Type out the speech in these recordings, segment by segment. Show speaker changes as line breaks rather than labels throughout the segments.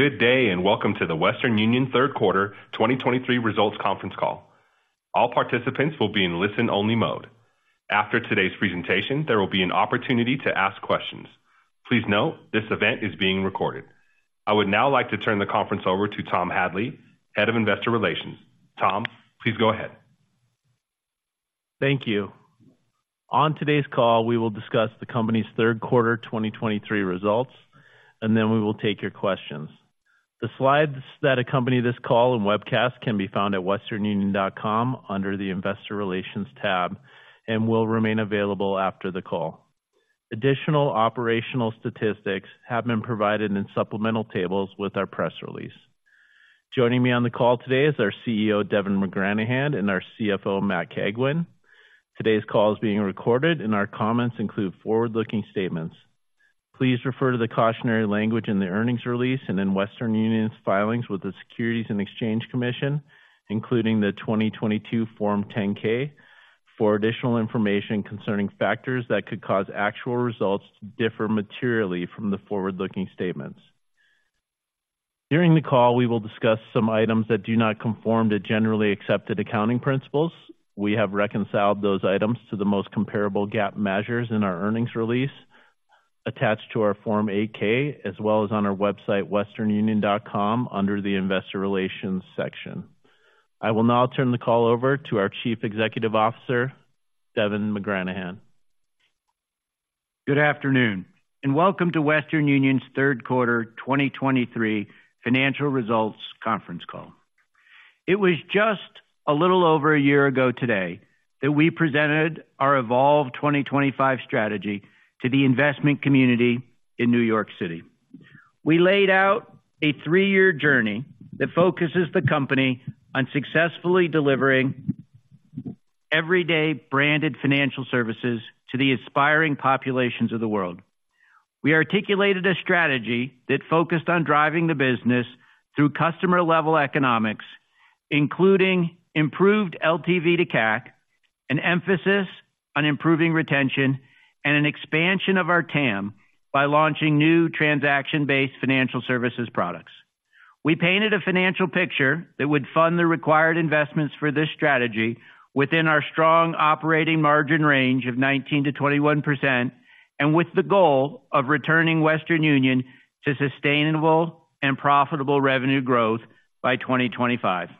Good day, and welcome to the Western Union Third Quarter 2023 Results Conference Call. All participants will be in listen-only mode. After today's presentation, there will be an opportunity to ask questions. Please note, this event is being recorded. I would now like to turn the conference over to Tom Hadley, Head of Investor Relations. Tom, please go ahead.
Thank you. On today's call, we will discuss the company's third quarter 2023 results, and then we will take your questions. The slides that accompany this call and webcast can be found at westernunion.com under the Investor Relations tab and will remain available after the call. Additional operational statistics have been provided in supplemental tables with our press release. Joining me on the call today is our CEO, Devin McGranahan, and our CFO, Matt Cagwin. Today's call is being recorded, and our comments include forward-looking statements. Please refer to the cautionary language in the earnings release and in Western Union's filings with the Securities and Exchange Commission, including the 2022 Form 10-K, for additional information concerning factors that could cause actual results to differ materially from the forward-looking statements. During the call, we will discuss some items that do not conform to generally accepted accounting principles. We have reconciled those items to the most comparable GAAP measures in our earnings release attached to our Form 8-K, as well as on our website, westernunion.com, under the Investor Relations section. I will now turn the call over to our Chief Executive Officer, Devin McGranahan.
Good afternoon, and welcome to Western Union's third quarter 2023 financial results conference call. It was just a little over a year ago today that we presented our Evolve 2025 strategy to the investment community in New York City. We laid out a three-year journey that focuses the company on successfully delivering everyday branded financial services to the aspiring populations of the world. We articulated a strategy that focused on driving the business through customer-level economics, including improved LTV to CAC, an emphasis on improving retention, and an expansion of our TAM by launching new transaction-based financial services products. We painted a financial picture that would fund the required investments for this strategy within our strong operating margin range of 19%-21%, and with the goal of returning Western Union to sustainable and profitable revenue growth by 2025.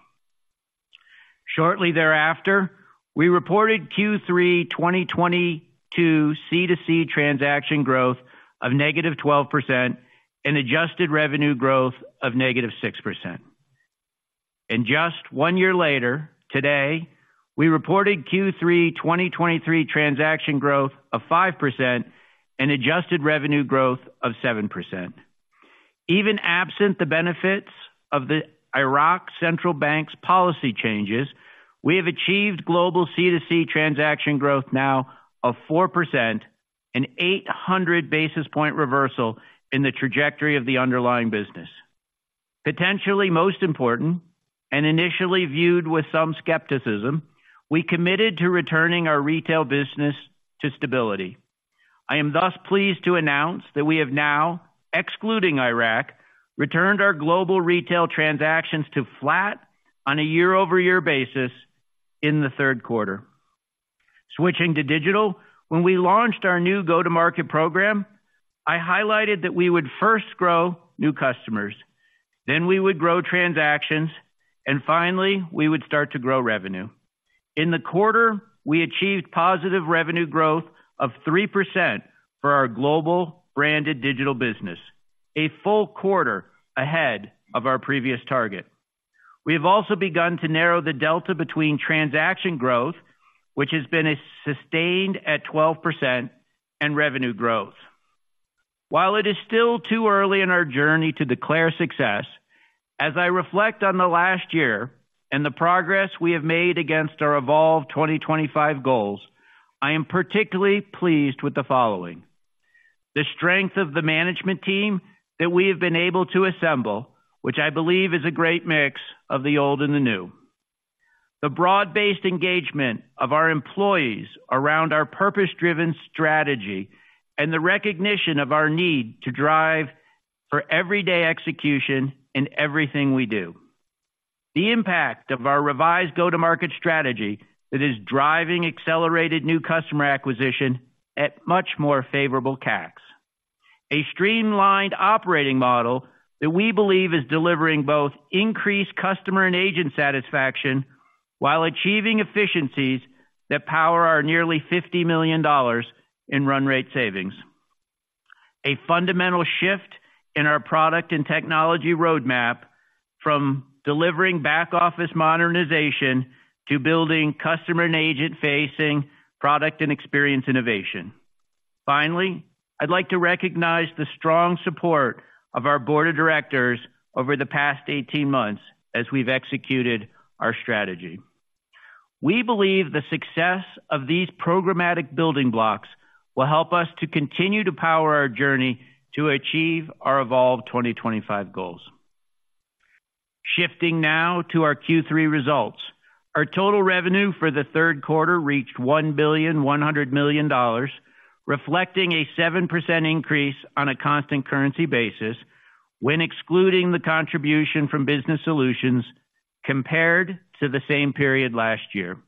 Shortly thereafter, we reported Q3 2022 C2C transaction growth of -12% and adjusted revenue growth of -6%. Just one year later, today, we reported Q3 2023 transaction growth of 5% and adjusted revenue growth of 7%. Even absent the benefits of the Iraq Central Bank's policy changes, we have achieved global C2C transaction growth now of 4% and 800 basis point reversal in the trajectory of the underlying business. Potentially most important, and initially viewed with some skepticism, we committed to returning our retail business to stability. I am thus pleased to announce that we have now, excluding Iraq, returned our global retail transactions to flat on a year-over-year basis in the third quarter. Switching to digital, when we launched our new go-to-market program, I highlighted that we would first grow new customers, then we would grow transactions, and finally, we would start to grow revenue. In the quarter, we achieved positive revenue growth of 3% for our global Branded Digital Business, a full quarter ahead of our previous target. We have also begun to narrow the delta between transaction growth, which has been sustained at 12%, and revenue growth. While it is still too early in our journey to declare success, as I reflect on the last year and the progress we have made against our Evolve 2025 goals, I am particularly pleased with the following: The strength of the management team that we have been able to assemble, which I believe is a great mix of the old and the new. The broad-based engagement of our employees around our purpose-driven strategy and the recognition of our need to drive for everyday execution in everything we do. The impact of our revised go-to-market strategy that is driving accelerated new customer acquisition at much more favorable CACs. A streamlined operating model that we believe is delivering both increased customer and agent satisfaction while achieving efficiencies that power our nearly $50 million in run rate savings. A fundamental shift in our product and technology roadmap from delivering back-office modernization to building customer and agent-facing product and experience innovation. Finally, I'd like to recognize the strong support of our board of directors over the past 18 months as we've executed our strategy. We believe the success of these programmatic building blocks will help us to continue to power our journey to achieve our Evolve 2025 goals.... Shifting now to our Q3 results. Our total revenue for the third quarter reached $1.1 billion, reflecting a 7% increase on a constant currency basis when excluding the contribution from Business Solutions compared to the same period last year.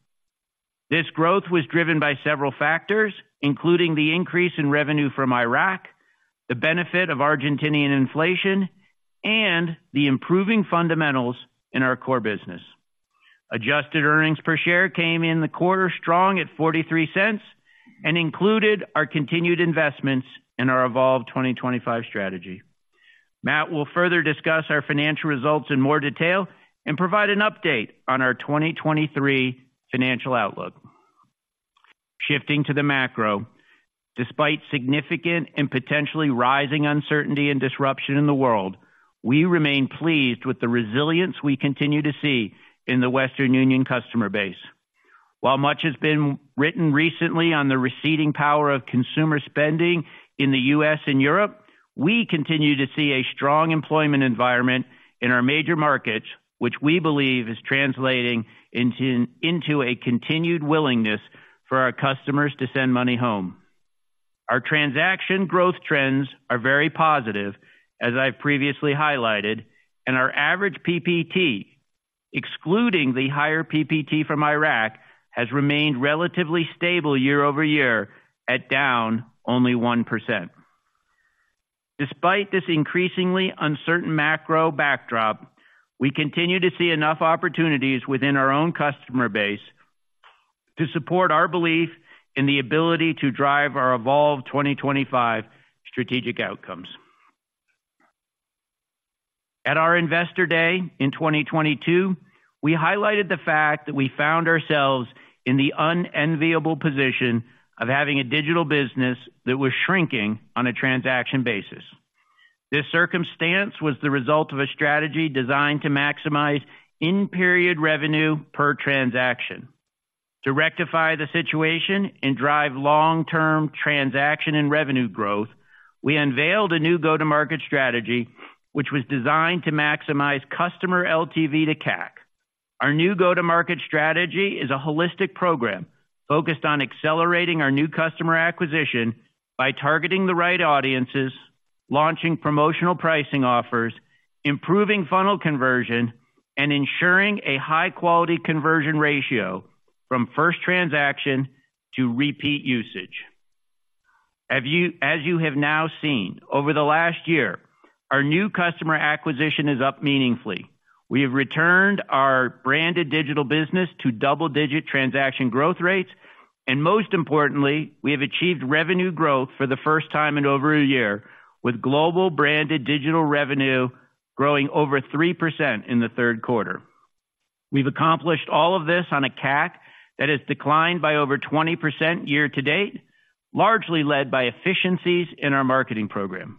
This growth was driven by several factors, including the increase in revenue from Iraq, the benefit of Argentinian inflation, and the improving fundamentals in our core business. Adjusted earnings per share came in the quarter strong at $0.43 and included our continued investments in our Evolve 2025 strategy. Matt will further discuss our financial results in more detail and provide an update on our 2023 financial outlook. Shifting to the macro, despite significant and potentially rising uncertainty and disruption in the world, we remain pleased with the resilience we continue to see in the Western Union customer base. While much has been written recently on the receding power of consumer spending in the U.S. and Europe, we continue to see a strong employment environment in our major markets, which we believe is translating into a continued willingness for our customers to send money home. Our transaction growth trends are very positive, as I've previously highlighted, and our average PPT, excluding the higher PPT from Iraq, has remained relatively stable year-over-year at down only 1%. Despite this increasingly uncertain macro backdrop, we continue to see enough opportunities within our own customer base to support our belief in the ability to drive our Evolve 2025 strategic outcomes. At our Investor Day in 2022, we highlighted the fact that we found ourselves in the unenviable position of having a digital business that was shrinking on a transaction basis. This circumstance was the result of a strategy designed to maximize in-period revenue per transaction. To rectify the situation and drive long-term transaction and revenue growth, we unveiled a new go-to-market strategy, which was designed to maximize customer LTV to CAC. Our new go-to-market strategy is a holistic program focused on accelerating our new customer acquisition by targeting the right audiences, launching promotional pricing offers, improving funnel conversion, and ensuring a high-quality conversion ratio from first transaction to repeat usage. As you have now seen, over the last year, our new customer acquisition is up meaningfully. We have returned our Branded Digital Business to double-digit transaction growth rates, and most importantly, we have achieved revenue growth for the first time in over a year, with global branded digital revenue growing over 3% in the third quarter. We've accomplished all of this on a CAC that has declined by over 20% year to date, largely led by efficiencies in our marketing program.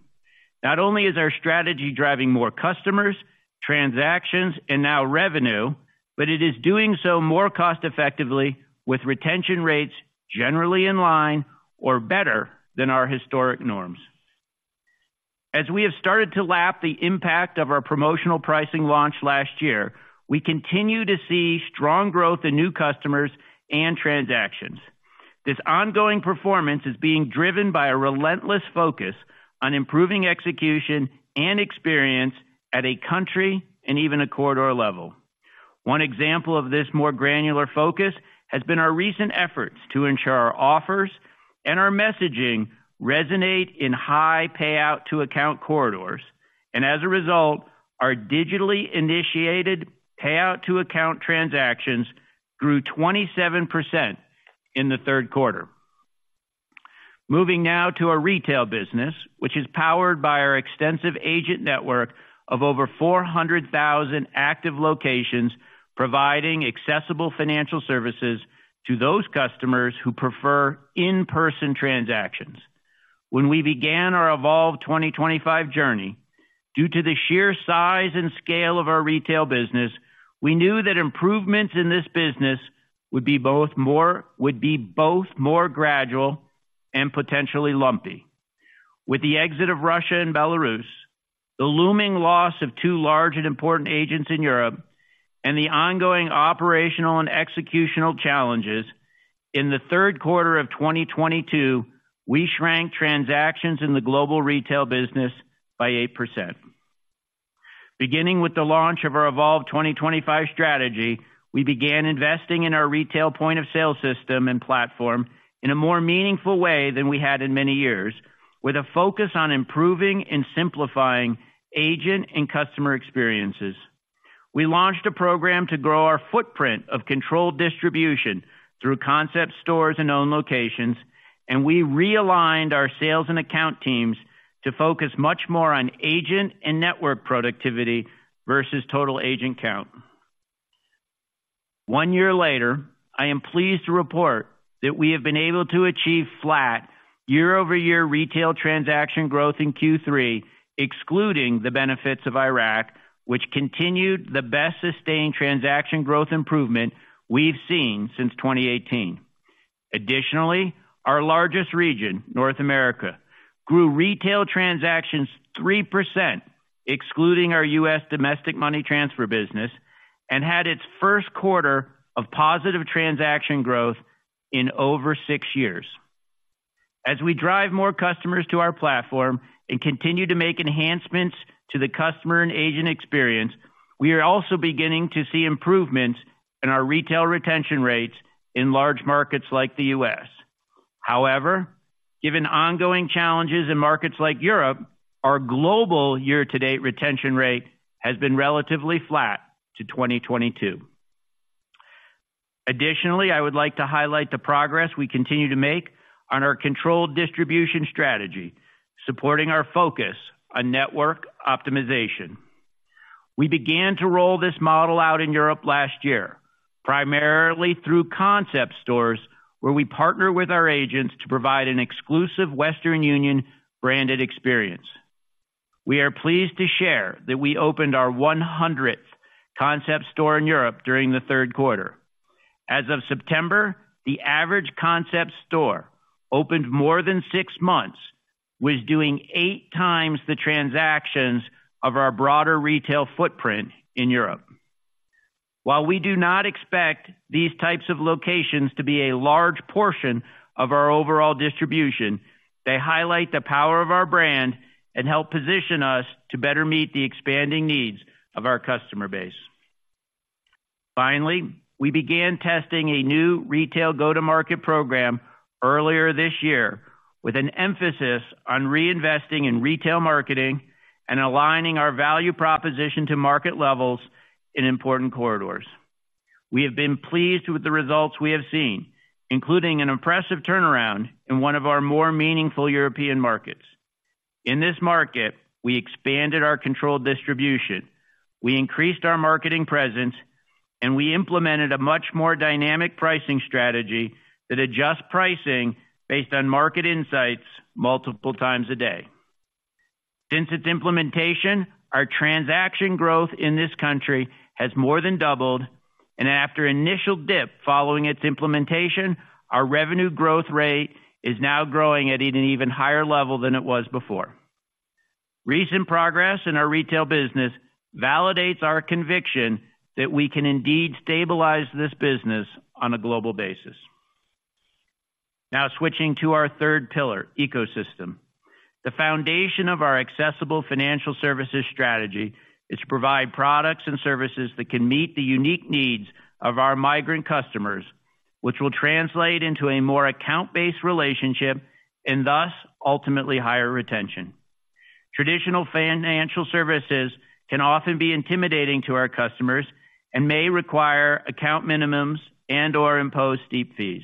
Not only is our strategy driving more customers, transactions, and now revenue, but it is doing so more cost-effectively, with retention rates generally in line or better than our historic norms. As we have started to lap the impact of our promotional pricing launch last year, we continue to see strong growth in new customers and transactions. This ongoing performance is being driven by a relentless focus on improving execution and experience at a country and even a corridor level. One example of this more granular focus has been our recent efforts to ensure our offers and our messaging resonate in high payout-to-account corridors, and as a result, our digitally initiated payout-to-account transactions grew 27% in the third quarter. Moving now to our retail business, which is powered by our extensive agent network of over 400,000 active locations, providing accessible financial services to those customers who prefer in-person transactions. When we began our Evolve 2025 journey, due to the sheer size and scale of our retail business, we knew that improvements in this business would be both more gradual and potentially lumpy. With the exit of Russia and Belarus, the looming loss of two large and important agents in Europe, and the ongoing operational and executional challenges, in the third quarter of 2022, we shrank transactions in the global retail business by 8%. Beginning with the launch of our Evolve 2025 strategy, we began investing in our retail point-of-sale system and platform in a more meaningful way than we had in many years, with a focus on improving and simplifying agent and customer experiences. We launched a program to grow our footprint of controlled distribution through concept stores and owned locations, and we realigned our sales and account teams to focus much more on agent and network productivity versus total agent count. One year later, I am pleased to report that we have been able to achieve flat year-over-year retail transaction growth in Q3, excluding the benefits of Iraq, which continued the best-sustained transaction growth improvement we've seen since 2018. Additionally, our largest region, North America, grew retail transactions 3%, excluding our U.S. domestic money transfer business, and had its first quarter of positive transaction growth in over six years. As we drive more customers to our platform and continue to make enhancements to the customer and agent experience, we are also beginning to see improvements in our retail retention rates in large markets like the U.S. However, given ongoing challenges in markets like Europe, our global year-to-date retention rate has been relatively flat to 2022. Additionally, I would like to highlight the progress we continue to make on our controlled distribution strategy, supporting our focus on network optimization. We began to roll this model out in Europe last year, primarily through concept stores, where we partner with our agents to provide an exclusive Western Union branded experience. We are pleased to share that we opened our 100th concept store in Europe during the third quarter. As of September, the average concept store, opened more than six months, was doing 8x the transactions of our broader retail footprint in Europe. While we do not expect these types of locations to be a large portion of our overall distribution, they highlight the power of our brand and help position us to better meet the expanding needs of our customer base. Finally, we began testing a new retail go-to-market program earlier this year, with an emphasis on reinvesting in retail marketing and aligning our value proposition to market levels in important corridors. We have been pleased with the results we have seen, including an impressive turnaround in one of our more meaningful European markets. In this market, we expanded our controlled distribution, we increased our marketing presence, and we implemented a much more dynamic pricing strategy that adjusts pricing based on market insights multiple times a day. Since its implementation, our transaction growth in this country has more than doubled, and after initial dip following its implementation, our revenue growth rate is now growing at an even higher level than it was before. Recent progress in our retail business validates our conviction that we can indeed stabilize this business on a global basis. Now, switching to our third pillar, ecosystem. The foundation of our accessible financial services strategy is to provide products and services that can meet the unique needs of our migrant customers, which will translate into a more account-based relationship and thus, ultimately, higher retention. Traditional financial services can often be intimidating to our customers and may require account minimums and/or impose steep fees.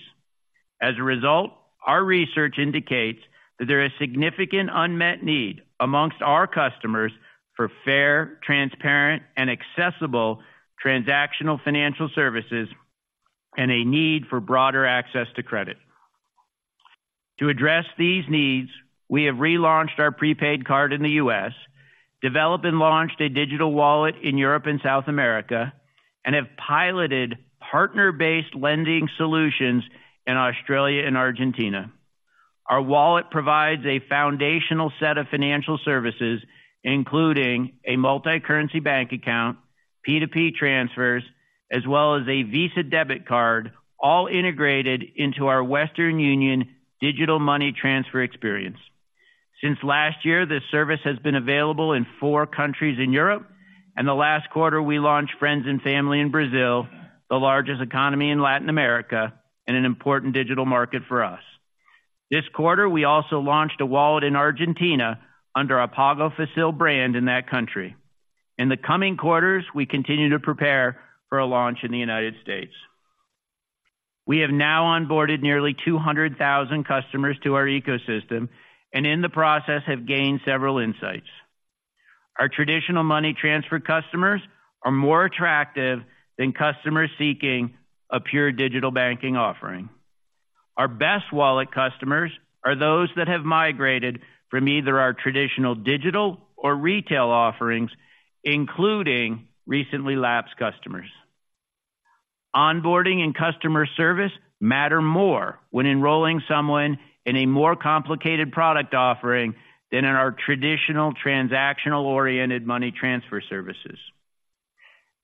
As a result, our research indicates that there is significant unmet need among our customers for fair, transparent and accessible transactional financial services and a need for broader access to credit. To address these needs, we have relaunched our prepaid card in the U.S., developed and launched a digital wallet in Europe and South America, and have piloted partner-based lending solutions in Australia and Argentina. Our wallet provides a foundational set of financial services, including a multicurrency bank account, P2P transfers, as well as a Visa debit card, all integrated into our Western Union digital money transfer experience. Since last year, this service has been available in four countries in Europe, and the last quarter, we launched Friends and Family in Brazil, the largest economy in Latin America and an important digital market for us. This quarter, we also launched a wallet in Argentina under our Pago Fácil brand in that country. In the coming quarters, we continue to prepare for a launch in the United States. We have now onboarded nearly 200,000 customers to our ecosystem and in the process, have gained several insights. Our traditional money transfer customers are more attractive than customers seeking a pure digital banking offering. Our best wallet customers are those that have migrated from either our traditional digital or retail offerings, including recently lapsed customers. Onboarding and customer service matter more when enrolling someone in a more complicated product offering than in our traditional transactional-oriented money transfer services.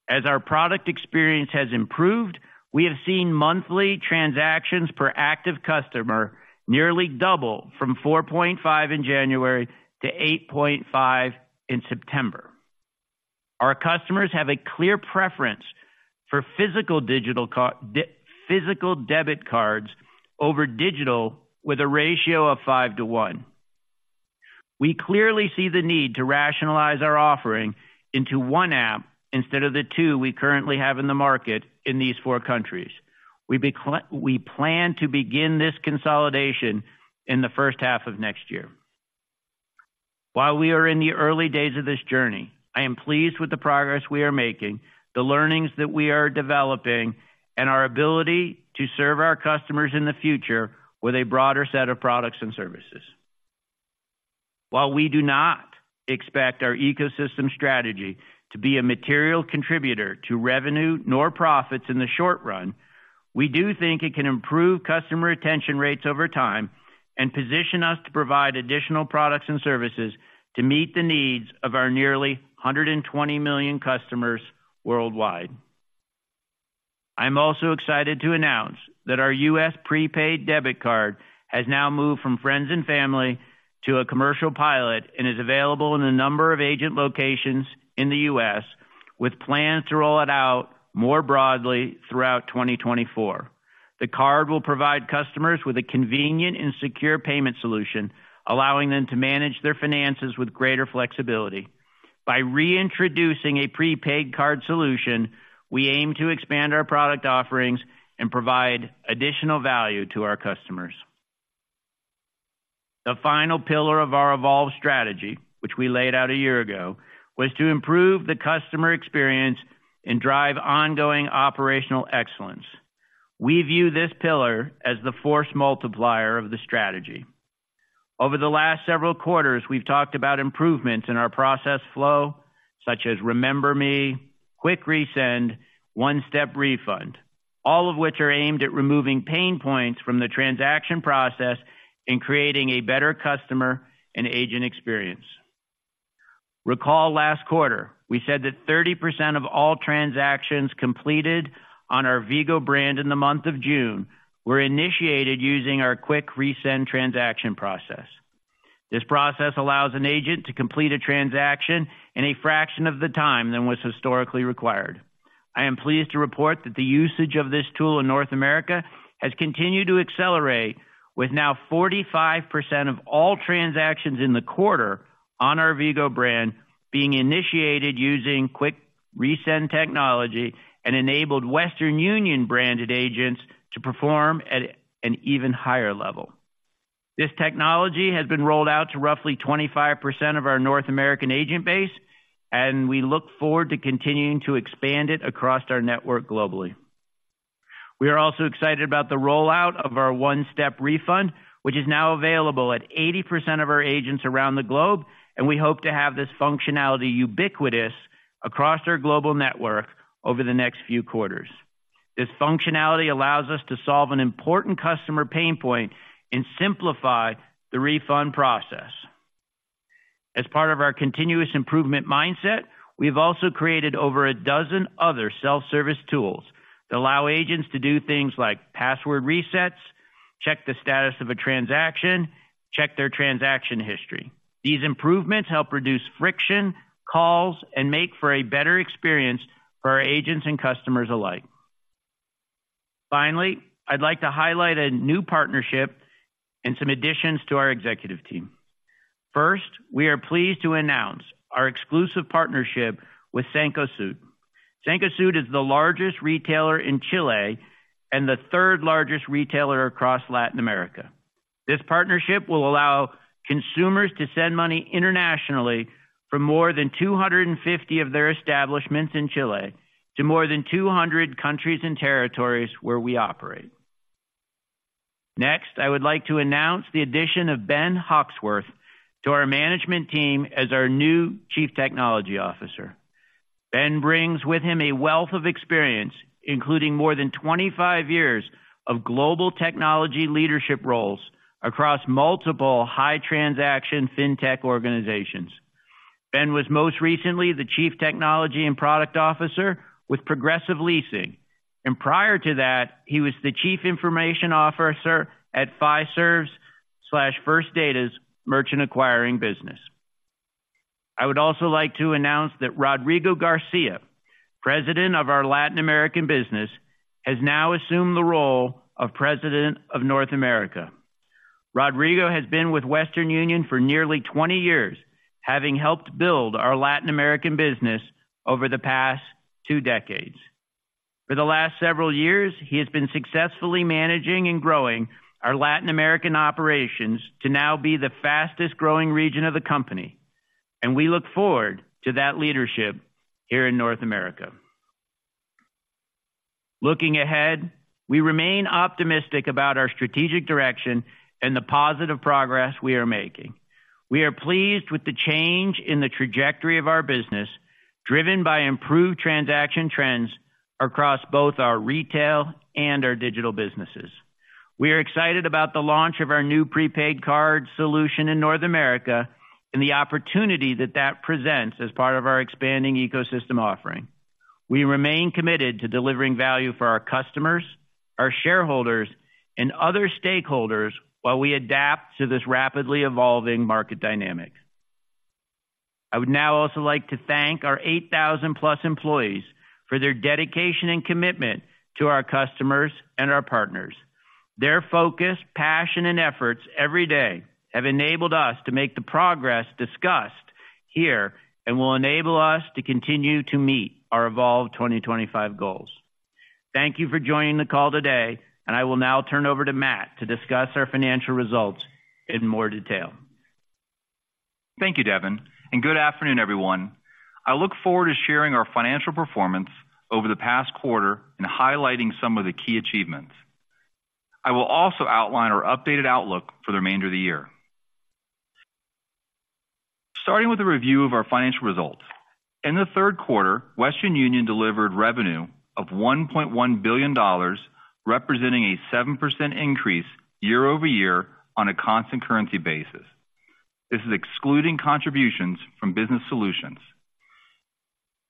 As our product experience has improved, we have seen monthly transactions per active customer nearly double from 4.5 in January to 8.5 in September. Our customers have a clear preference for physical debit cards over digital with a ratio of 5 to 1. We clearly see the need to rationalize our offering into one app instead of the two we currently have in the market in these four countries. We plan to begin this consolidation in the first half of next year. While we are in the early days of this journey, I am pleased with the progress we are making, the learnings that we are developing, and our ability to serve our customers in the future with a broader set of products and services. While we do not expect our ecosystem strategy to be a material contributor to revenue nor profits in the short run, we do think it can improve customer retention rates over time and position us to provide additional products and services to meet the needs of our nearly 120 million customers worldwide. I'm also excited to announce that our U.S. prepaid debit card has now moved from Friends and Family to a commercial pilot, and is available in a number of agent locations in the U.S., with plans to roll it out more broadly throughout 2024. The card will provide customers with a convenient and secure payment solution, allowing them to manage their finances with greater flexibility. By reintroducing a prepaid card solution, we aim to expand our product offerings and provide additional value to our customers. The final pillar of our evolved strategy, which we laid out a year ago, was to improve the customer experience and drive ongoing operational excellence. We view this pillar as the force multiplier of the strategy. Over the last several quarters, we've talked about improvements in our process flow, such as Remember Me, Quick Resend, One-Step Refund, all of which are aimed at removing pain points from the transaction process and creating a better customer and agent experience. Recall last quarter, we said that 30% of all transactions completed on our Vigo brand in the month of June were initiated using our Quick Resend transaction process. This process allows an agent to complete a transaction in a fraction of the time than was historically required. I am pleased to report that the usage of this tool in North America has continued to accelerate, with now 45% of all transactions in the quarter on our Vigo brand being initiated using Quick Resend technology, and enabled Western Union-branded agents to perform at an even higher level. This technology has been rolled out to roughly 25% of our North American agent base, and we look forward to continuing to expand it across our network globally. We are also excited about the rollout of our One-Step Refund, which is now available at 80% of our agents around the globe, and we hope to have this functionality ubiquitous across our global network over the next few quarters. This functionality allows us to solve an important customer pain point and simplify the refund process. As part of our continuous improvement mindset, we've also created over 12 other self-service tools that allow agents to do things like password resets, check the status of a transaction, check their transaction history. These improvements help reduce friction, calls, and make for a better experience for our agents and customers alike. Finally, I'd like to highlight a new partnership and some additions to our executive team. First, we are pleased to announce our exclusive partnership with Cencosud. Cencosud is the largest retailer in Chile and the third-largest retailer across Latin America. This partnership will allow consumers to send money internationally from more than 250 of their establishments in Chile to more than 200 countries and territories where we operate. Next, I would like to announce the addition of Ben Hawksworth to our management team as our new Chief Technology Officer. Ben brings with him a wealth of experience, including more than 25 years of global technology leadership roles across multiple high-transaction fintech organizations. Ben was most recently the Chief Technology and Product Officer with Progressive Leasing, and prior to that, he was the Chief Information Officer at Fiserv/First Data's merchant acquiring business. I would also like to announce that Rodrigo Garcia, President of our Latin American business, has now assumed the role of President of North America. Rodrigo has been with Western Union for nearly 20 years, having helped build our Latin American business over the past two decades. For the last several years, he has been successfully managing and growing our Latin American operations to now be the fastest-growing region of the company, and we look forward to that leadership here in North America. Looking ahead, we remain optimistic about our strategic direction and the positive progress we are making. We are pleased with the change in the trajectory of our business, driven by improved transaction trends across both our retail and our digital businesses. We are excited about the launch of our new prepaid card solution in North America and the opportunity that that presents as part of our expanding ecosystem offering. We remain committed to delivering value for our customers, our shareholders, and other stakeholders while we adapt to this rapidly evolving market dynamic. I would now also like to thank our 8,000+ employees for their dedication and commitment to our customers and our partners. Their focus, passion, and efforts every day have enabled us to make the progress discussed here and will enable us to continue to meet our Evolve 2025 goals. Thank you for joining the call today, and I will now turn over to Matt to discuss our financial results in more detail.
Thank you, Devin, and good afternoon, everyone. I look forward to sharing our financial performance over the past quarter and highlighting some of the key achievements. I will also outline our updated outlook for the remainder of the year. Starting with a review of our financial results. In the third quarter, Western Union delivered revenue of $1.1 billion, representing a 7% increase year-over-year on a constant currency basis. This is excluding contributions from Business Solutions.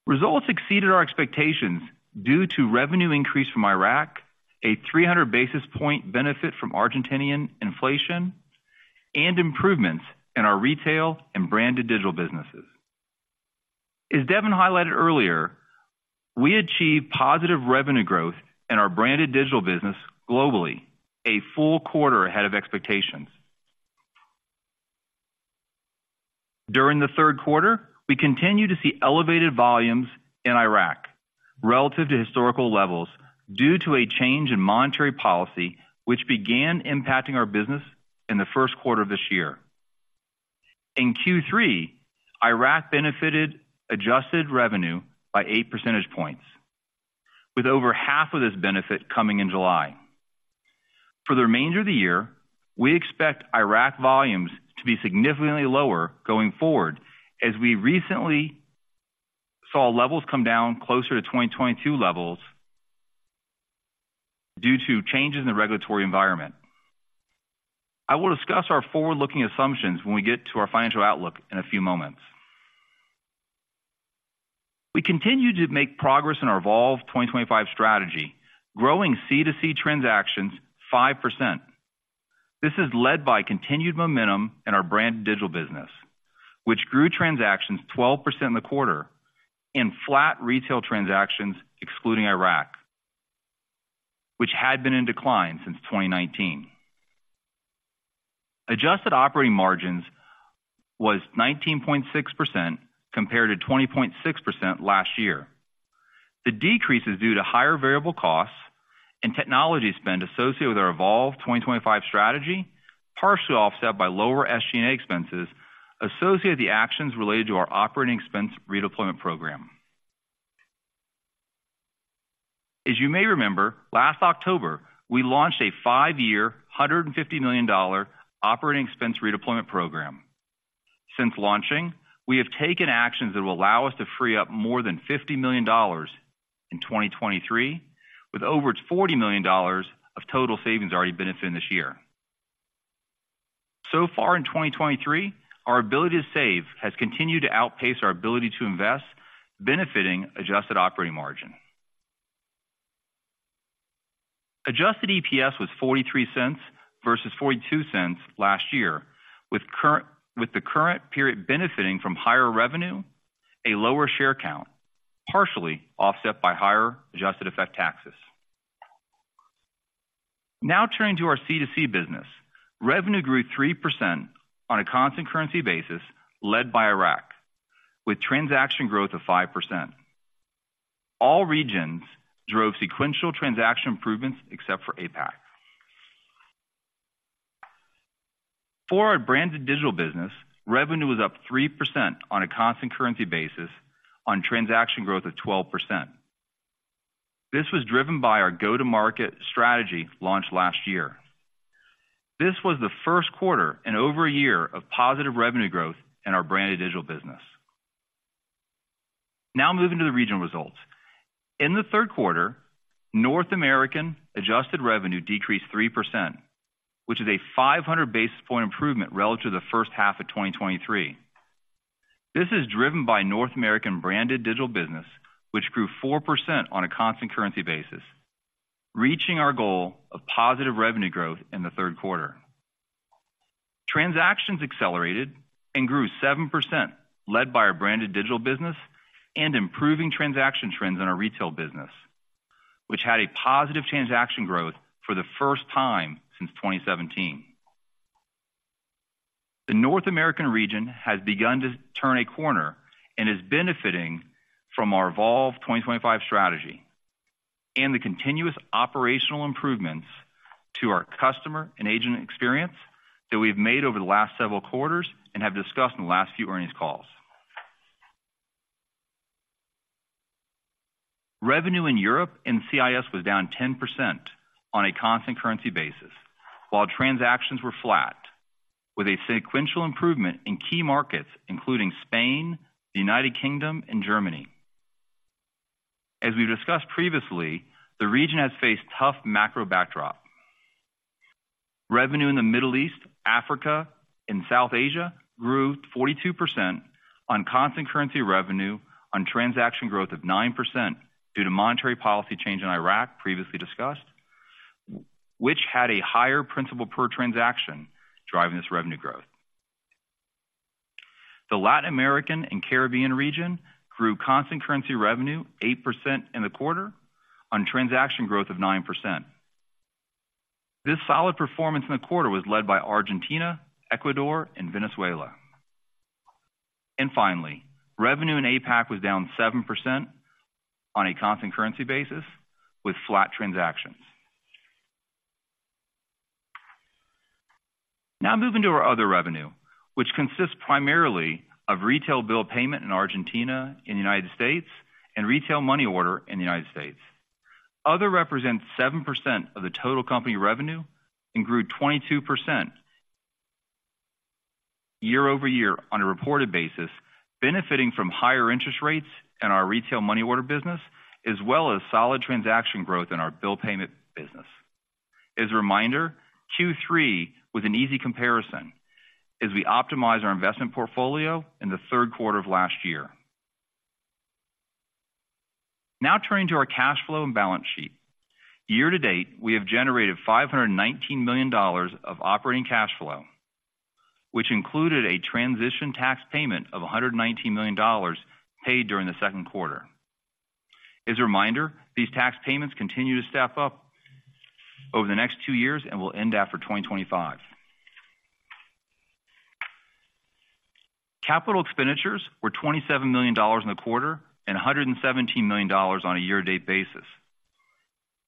Results exceeded our expectations due to revenue increase from Iraq, a 300 basis point benefit from Argentine inflation, and improvements in our retail and Branded Digital Businesses. As Devin highlighted earlier, we achieved positive revenue growth in our Branded Digital Business globally, a full quarter ahead of expectations. During the third quarter, we continued to see elevated volumes in Iraq relative to historical levels due to a change in monetary policy, which began impacting our business in the first quarter of this year. In Q3, Iraq benefited adjusted revenue by 8 percentage points, with over half of this benefit coming in July. For the remainder of the year, we expect Iraq volumes to be significantly lower going forward, as we recently saw levels come down closer to 2022 levels due to changes in the regulatory environment. I will discuss our forward-looking assumptions when we get to our financial outlook in a few moments. We continue to make progress in our Evolve 2025 strategy, growing C2C transactions 5%. This is led by continued momentum in our Branded Digital Business, which grew transactions 12% in the quarter, and flat retail transactions excluding Iraq, which had been in decline since 2019. Adjusted operating margins was 19.6%, compared to 20.6% last year. The decrease is due to higher variable costs and technology spend associated with our Evolve 2025 strategy, partially offset by lower SG&A expenses associated with the actions related to our operating expense redeployment program. As you may remember, last October, we launched a five-year, $150 million operating expense redeployment program. Since launching, we have taken actions that will allow us to free up more than $50 million in 2023, with over $40 million of total savings already benefiting this year. So far in 2023, our ability to save has continued to outpace our ability to invest, benefiting adjusted operating margin. Adjusted EPS was $0.43 versus $0.42 last year, with the current period benefiting from higher revenue, a lower share count, partially offset by higher adjusted effective taxes. Now turning to our C2C business. Revenue grew 3% on a constant currency basis led by Iraq, with transaction growth of 5%. All regions drove sequential transaction improvements except for APAC. For our Branded Digital Business, revenue was up 3% on a constant currency basis on transaction growth of 12%. This was driven by our go-to-market strategy launched last year. This was the first quarter in over a year of positive revenue growth in our Branded Digital Business. Now moving to the regional results. In the third quarter, North American adjusted revenue decreased 3%, which is a 500 basis point improvement relative to the first half of 2023. This is driven by North American Branded Digital Business, which grew 4% on a constant currency basis, reaching our goal of positive revenue growth in the third quarter. Transactions accelerated and grew 7%, led by our Branded Digital Business and improving transaction trends in our retail business, which had a positive transaction growth for the first time since 2017. The North American region has begun to turn a corner and is benefiting from our Evolve 2025 strategy and the continuous operational improvements to our customer and agent experience that we've made over the last several quarters and have discussed in the last few earnings calls. Revenue in Europe and CIS was down 10% on a constant currency basis, while transactions were flat, with a sequential improvement in key markets, including Spain, the United Kingdom, and Germany. As we've discussed previously, the region has faced tough macro backdrop. Revenue in the Middle East, Africa, and South Asia grew 42% on constant currency revenue on transaction growth of 9% due to monetary policy change in Iraq, previously discussed, which had a higher principal per transaction driving this revenue growth. The Latin American and Caribbean region grew constant currency revenue 8% in the quarter on transaction growth of 9%. This solid performance in the quarter was led by Argentina, Ecuador, and Venezuela. And finally, revenue in APAC was down 7% on a constant currency basis with flat transactions. Now moving to our other revenue, which consists primarily of retail bill payment in Argentina and United States, and retail money order in the United States. Other represents 7% of the total company revenue and grew 22% year-over-year on a reported basis, benefiting from higher interest rates in our retail money order business, as well as solid transaction growth in our bill payment business. As a reminder, Q3 was an easy comparison as we optimized our investment portfolio in the third quarter of last year. Now turning to our cash flow and balance sheet. Year-to-date, we have generated $519 million of operating cash flow, which included a transition tax payment of $119 million paid during the second quarter. As a reminder, these tax payments continue to step up over the next two years and will end after 2025. Capital expenditures were $27 million in the quarter and $117 million on a year-to-date basis.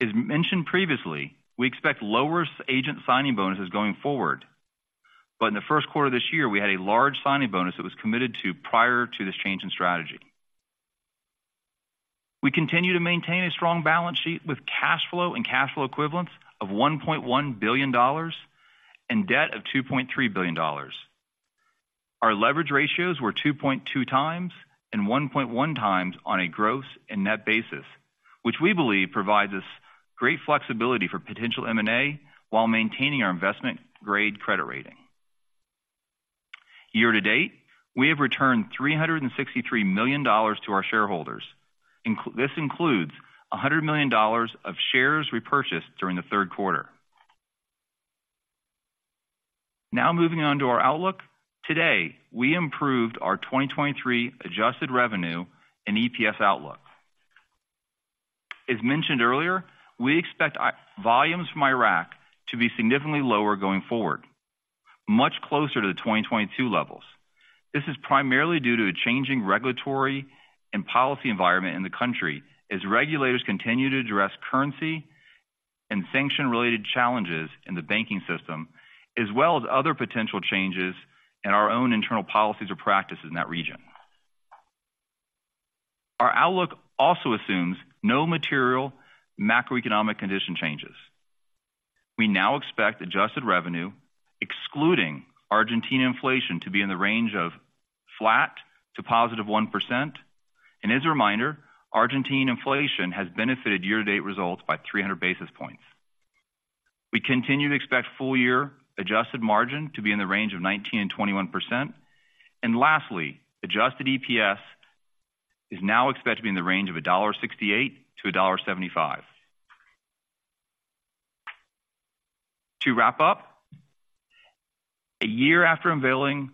As mentioned previously, we expect lower agent signing bonuses going forward, but in the first quarter of this year, we had a large signing bonus that was committed to prior to this change in strategy. We continue to maintain a strong balance sheet with cash flow and cash flow equivalents of $1.1 billion and debt of $2.3 billion. Our leverage ratios were 2.2x and 1.1x on a gross and net basis, which we believe provides us great flexibility for potential M&A while maintaining our investment-grade credit rating. Year-to-date, we have returned $363 million to our shareholders. This includes $100 million of shares repurchased during the third quarter. Now moving on to our outlook. Today, we improved our 2023 adjusted revenue and EPS outlook. As mentioned earlier, we expect volumes from Iraq to be significantly lower going forward, much closer to the 2022 levels. This is primarily due to a changing regulatory and policy environment in the country, as regulators continue to address currency and sanction-related challenges in the banking system, as well as other potential changes in our own internal policies or practices in that region. Our outlook also assumes no material macroeconomic condition changes. We now expect adjusted revenue, excluding Argentine inflation, to be in the range of flat to +1%. And as a reminder, Argentine inflation has benefited year-to-date results by 300 basis points. We continue to expect full year adjusted margin to be in the range of 19%-21%. Lastly, adjusted EPS is now expected to be in the range of $1.68-$1.75. To wrap up, a year after unveiling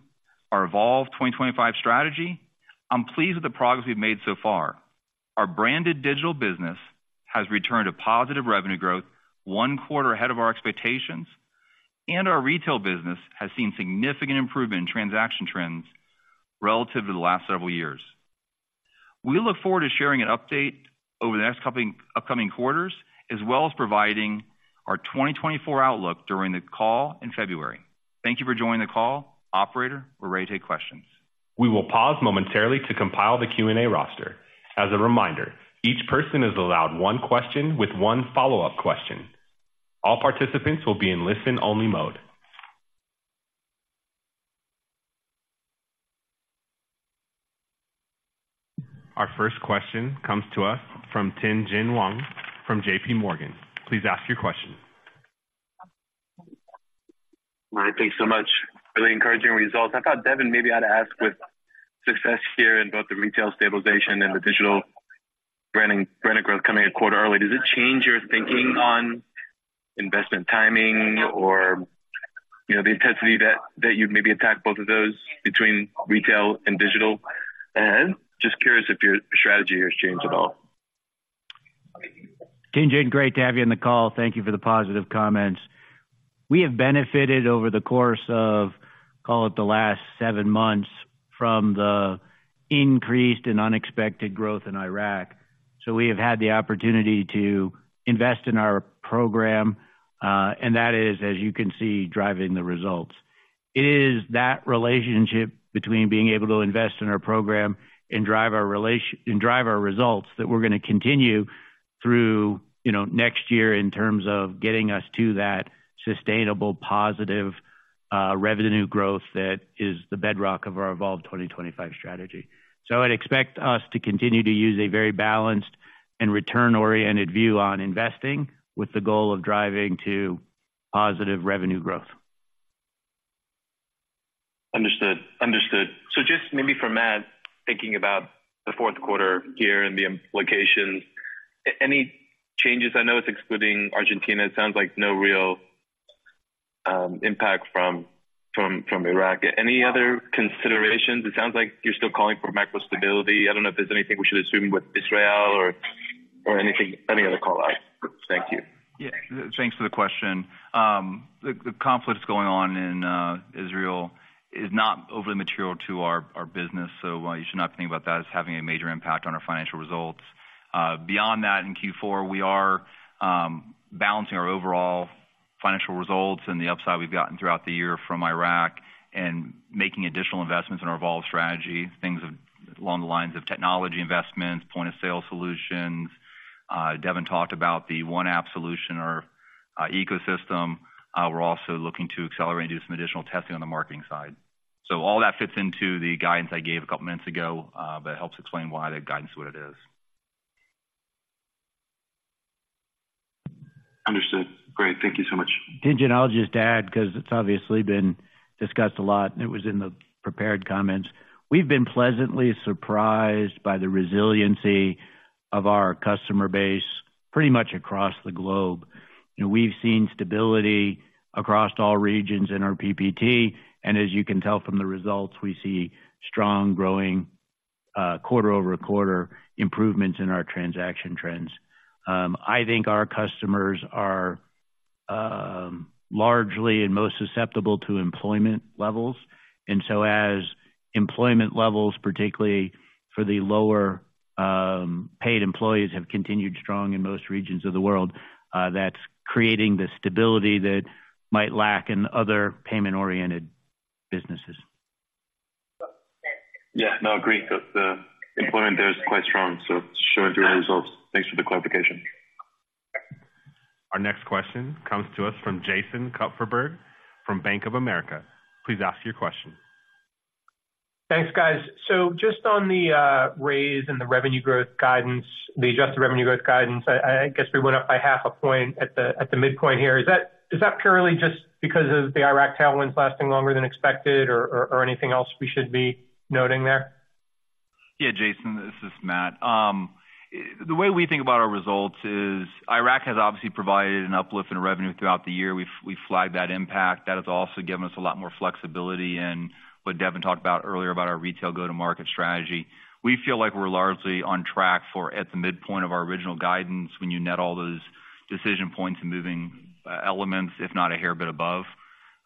our Evolve 2025 strategy, I'm pleased with the progress we've made so far. Our Branded Digital Business has returned to positive revenue growth one quarter ahead of our expectations, and our retail business has seen significant improvement in transaction trends relative to the last several years. We look forward to sharing an update over the next upcoming quarters, as well as providing our 2024 outlook during the call in February. Thank you for joining the call. Operator, we're ready to take questions.
We will pause momentarily to compile the Q&A roster. As a reminder, each person is allowed one question with one follow-up question. All participants will be in listen-only mode. Our first question comes to us from Tien-Tsin Huang from JPMorgan. Please ask your question.
Hi, thanks so much. Really encouraging results. I thought, Devin, maybe I'd ask, with success here in both the retail stabilization and the digital branding, brand growth coming a quarter early, does it change your thinking on investment timing or, you know, the intensity that you'd maybe attack both of those between retail and digital? And just curious if your strategy has changed at all.
Tien-Tsin, great to have you on the call. Thank you for the positive comments. We have benefited over the course of, call it the last seven months, from the increased and unexpected growth in Iraq. So we have had the opportunity to invest in our program, and that is, as you can see, driving the results. It is that relationship between being able to invest in our program and drive our results, that we're going to continue through, you know, next year in terms of getting us to that sustainable, positive revenue growth that is the bedrock of our Evolve 2025 strategy. So I'd expect us to continue to use a very balanced and return-oriented view on investing, with the goal of driving to positive revenue growth.
Understood. Understood. So just maybe for Matt, thinking about the fourth quarter here and the implications, any changes? I know it's excluding Argentina. It sounds like no real impact from Iraq. Any other considerations? It sounds like you're still calling for macro stability. I don't know if there's anything we should assume with Israel or anything, any other call-outs. Thank you.
Yeah, thanks for the question. The conflict going on in Israel is not overly material to our business, so you should not think about that as having a major impact on our financial results. Beyond that, in Q4, we are balancing our overall financial results and the upside we've gotten throughout the year from Iraq and making additional investments in our Evolve strategy, things along the lines of technology investments, point-of-sale solutions. Devin talked about the one app solution, our ecosystem. We're also looking to accelerate and do some additional testing on the marketing side. So all that fits into the guidance I gave a couple of minutes ago, but it helps explain why the guidance is what it is.
Understood. Great. Thank you so much.
Tien-Tsin, I'll just add, because it's obviously been discussed a lot, and it was in the prepared comments. We've been pleasantly surprised by the resiliency of our customer base pretty much across the globe. We've seen stability across all regions in our PPT, and as you can tell from the results, we see strong growing quarter over quarter improvements in our transaction trends. I think our customers are largely and most susceptible to employment levels. And so as employment levels, particularly for the lower paid employees, have continued strong in most regions of the world, that's creating the stability that might lack in other payment-oriented businesses.
Yeah, no, I agree. Because the employment there is quite strong, so showing through our results. Thanks for the clarification.
Our next question comes to us from Jason Kupferberg from Bank of America. Please ask your question.
Thanks, guys. So just on the raise and the revenue growth guidance, the adjusted revenue growth guidance, I guess we went up by half a point at the midpoint here. Is that purely just because of the Iraq tailwinds lasting longer than expected or anything else we should be noting there?
Yeah, Jason, this is Matt. The way we think about our results is Iraq has obviously provided an uplift in revenue throughout the year. We've flagged that impact. That has also given us a lot more flexibility in what Devin talked about earlier about our retail go-to-market strategy. We feel like we're largely on track for at the midpoint of our original guidance when you net all those decision points and moving elements, if not a hair bit above.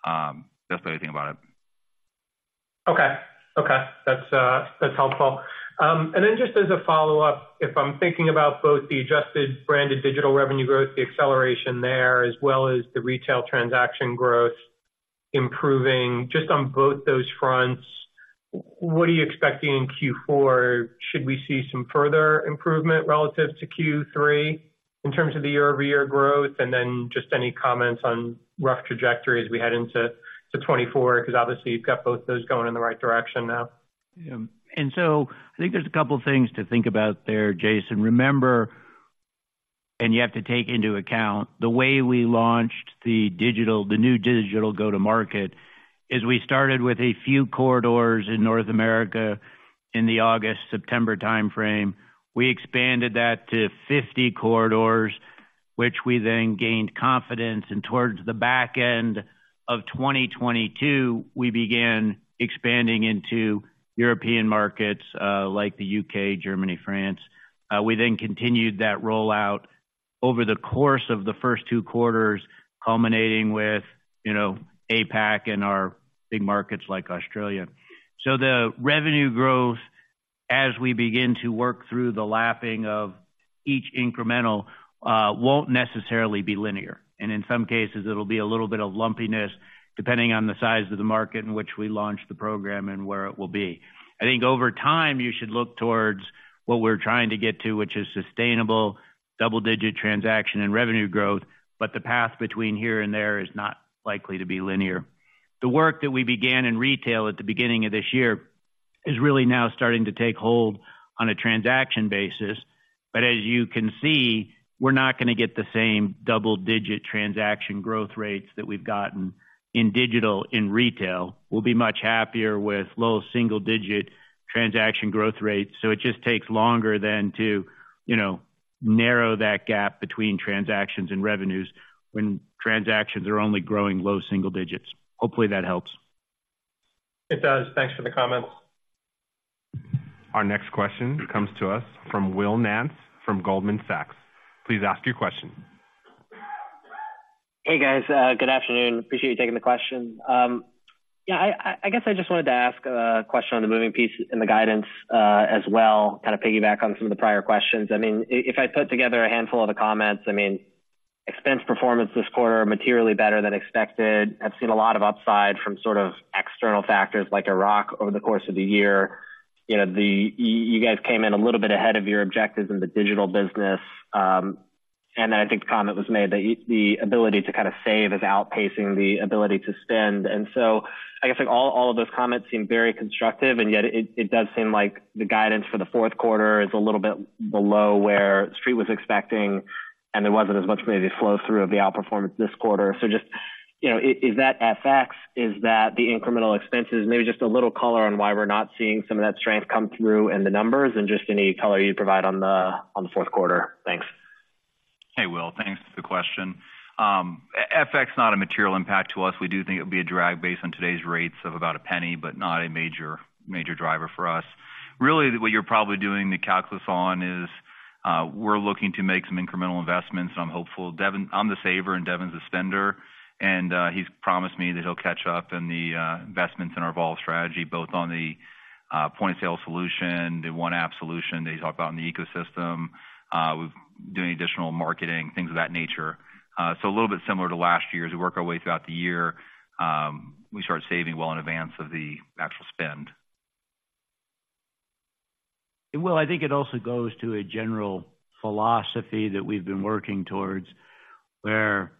That's the way I think about it.
Okay. Okay, that's, that's helpful. And then just as a follow-up, if I'm thinking about both the adjusted branded digital revenue growth, the acceleration there, as well as the retail transaction growth improving, just on both those fronts, what are you expecting in Q4? Should we see some further improvement relative to Q3 in terms of the year-over-year growth? And then just any comments on rough trajectory as we head into 2024, because obviously, you've got both those going in the right direction now.
Yeah. And so I think there's a couple of things to think about there, Jason. Remember, you have to take into account the way we launched the digital—the new digital go-to-market, is we started with a few corridors in North America in the August, September timeframe. We expanded that to 50 corridors, which we then gained confidence, and towards the back end of 2022, we began expanding into European markets, like the U.K., Germany, France. We then continued that rollout over the course of the first two quarters, culminating with, you know, APAC and our big markets like Australia. The revenue growth, as we begin to work through the lapping of each incremental, won't necessarily be linear, and in some cases, it'll be a little bit of lumpiness, depending on the size of the market in which we launched the program and where it will be. I think over time, you should look towards what we're trying to get to, which is sustainable double-digit transaction and revenue growth, but the path between here and there is not likely to be linear. The work that we began in retail at the beginning of this year is really now starting to take hold on a transaction basis. But as you can see, we're not going to get the same double-digit transaction growth rates that we've gotten in digital in retail. We'll be much happier with low single-digit transaction growth rates, so it just takes longer than to, you know, narrow that gap between transactions and revenues when transactions are only growing low single digits. Hopefully, that helps.
It does. Thanks for the comments.
Our next question comes to us from Will Nance, from Goldman Sachs. Please ask your question.
Hey, guys, good afternoon. Appreciate you taking the question. Yeah, I guess I just wanted to ask a question on the moving piece and the guidance, as well, kind of piggyback on some of the prior questions. I mean, if I put together a handful of the comments, I mean, expense performance this quarter are materially better than expected. I've seen a lot of upside from sort of external factors like Iraq over the course of the year. You know, you guys came in a little bit ahead of your objectives in the digital business, and then I think the comment was made that the ability to kind of save is outpacing the ability to spend. And so I guess, like, all of those comments seem very constructive, and yet it does seem like the guidance for the fourth quarter is a little bit below where the street was expecting, and there wasn't as much maybe flow through of the outperformance this quarter. So just, you know, is that FX, is that the incremental expenses? Maybe just a little color on why we're not seeing some of that strength come through in the numbers and just any color you'd provide on the fourth quarter. Thanks.
Hey, Will, thanks for the question. FX, not a material impact to us. We do think it'll be a drag based on today's rates of about $0.01, but not a major, major driver for us. Really, what you're probably doing the calculus on is, we're looking to make some incremental investments, and I'm hopeful. Devin-- I'm the saver and Devin's the spender, and, he's promised me that he'll catch up on the, investments in our Evolve strategy, both on the point-of-sale solution, the one app solution that you talk about in the ecosystem. We've doing additional marketing, things of that nature. So a little bit similar to last year, as we work our way throughout the year, we start saving well in advance of the actual spend.
Well, I think it also goes to a general philosophy that we've been working towards, where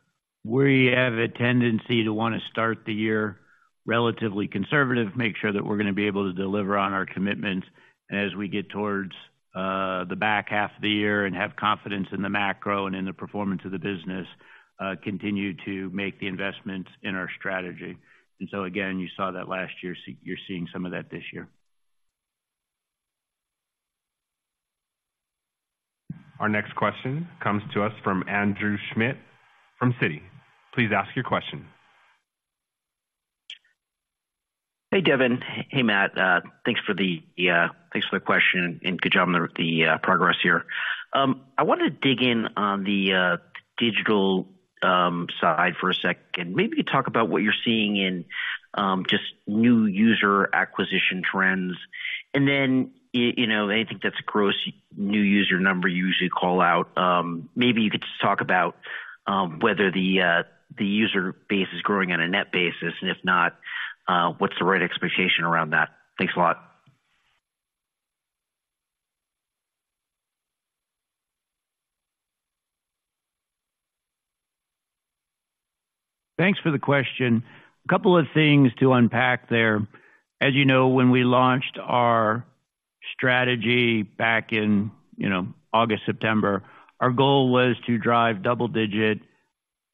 we have a tendency to want to start the year relatively conservative, make sure that we're going to be able to deliver on our commitments as we get towards the back half of the year and have confidence in the macro and in the performance of the business, continue to make the investments in our strategy. And so again, you saw that last year, so you're seeing some of that this year.
Our next question comes to us from Andrew Schmidt from Citi. Please ask your question.
Hey, Devin. Hey, Matt. Thanks for the thanks for the question, and good job on the progress here. I wanted to dig in on the digital side for a second. Maybe talk about what you're seeing in just new user acquisition trends. And then, you know, anything that's gross new user number you usually call out. Maybe you could just talk about whether the user base is growing on a net basis, and if not, what's the right expectation around that? Thanks a lot.
Thanks for the question. A couple of things to unpack there. As you know, when we launched our strategy back in, you know, August, September, our goal was to drive double-digit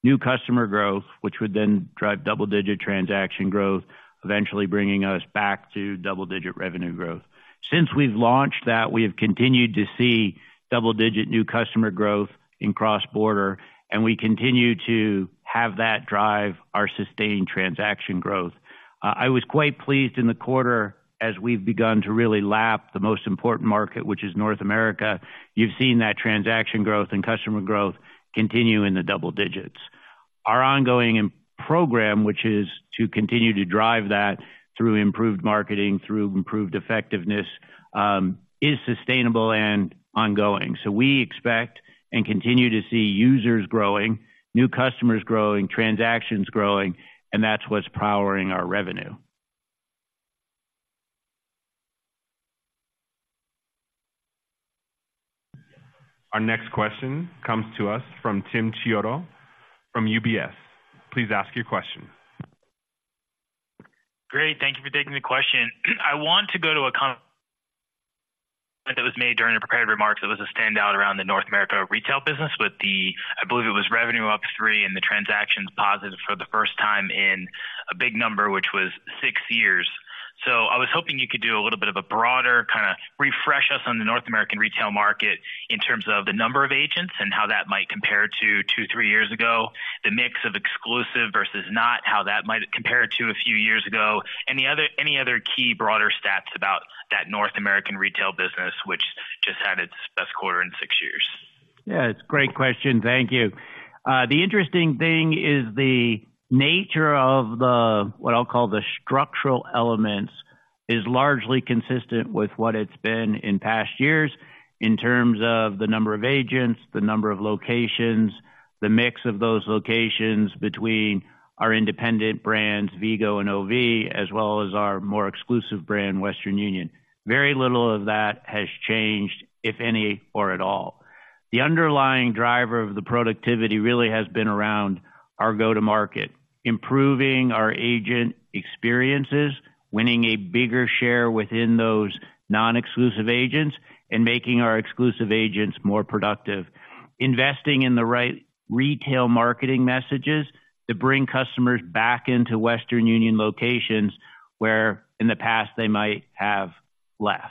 new customer growth, which would then drive double-digit transaction growth, eventually bringing us back to double-digit revenue growth. Since we've launched that, we have continued to see double-digit new customer growth in cross-border, and we continue to have that drive our sustained transaction growth. I was quite pleased in the quarter as we've begun to really lap the most important market, which is North America. You've seen that transaction growth and customer growth continue in the double digits. Our ongoing program, which is to continue to drive that through improved marketing, through improved effectiveness, is sustainable and ongoing. We expect and continue to see users growing, new customers growing, transactions growing, and that's what's powering our revenue.
Our next question comes to us from Tim Chiodo from UBS. Please ask your question.
Great, thank you for taking the question. I want to go to a comment that was made during the prepared remarks. It was a standout around the North America retail business, with the, I believe it was revenue up 3 and the transactions positive for the first time in a big number, which was six years. So I was hoping you could do a little bit of a broader, kind of refresh us on the North American retail market in terms of the number of agents and how that might compare to two to three years ago, the mix of exclusive versus not, how that might compare to a few years ago. Any other, any other key broader stats about that North American retail business, which just had its best quarter in six years?
Yeah, it's a great question. Thank you. The interesting thing is the nature of the, what I'll call the structural elements, is largely consistent with what it's been in past years in terms of the number of agents, the number of locations, the mix of those locations between our independent brands, Vigo and OV, as well as our more exclusive brand, Western Union. Very little of that has changed, if any, or at all. The underlying driver of the productivity really has been around our go-to-market, improving our agent experiences, winning a bigger share within those non-exclusive agents, and making our exclusive agents more productive. Investing in the right retail marketing messages to bring customers back into Western Union locations, where in the past they might have left.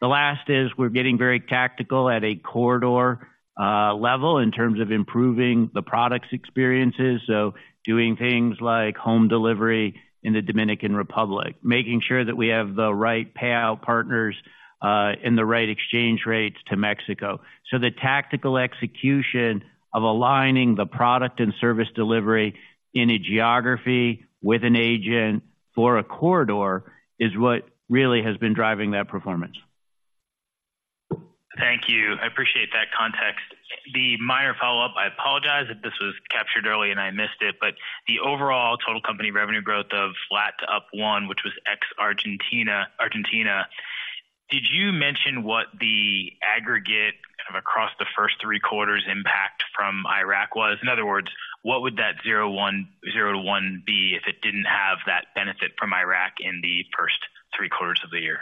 The last is we're getting very tactical at a corridor, level in terms of improving the products experiences. So doing things like home delivery in the Dominican Republic, making sure that we have the right payout partners, and the right exchange rates to Mexico. So the tactical execution of aligning the product and service delivery in a geography with an agent for a corridor is what really has been driving that performance.
Thank you. I appreciate that context. The minor follow-up, I apologize if this was captured early and I missed it, but the overall total company revenue growth of flat to up 1%, which was ex-Argentina, Argentina. Did you mention what the aggregate across the first three quarters impact from Iraq was? In other words, what would that 0-1, 0 to 1 be if it didn't have that benefit from Iraq in the first three quarters of the year?